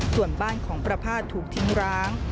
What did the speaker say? ส่วนบ้านของประพาทถูกทิ้งร้าง